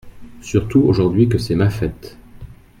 Surtout aujourd’hui que c’est ma fête.